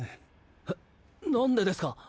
えなんでですか？